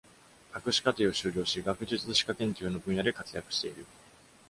博士課程を修了し、学術歯科研究の分野で活躍している。